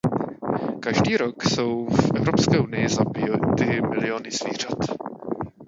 Každý rok jsou v Evropské unii zabity miliony zvířat.